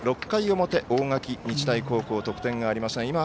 ６回の表、大垣日大高校得点がありません。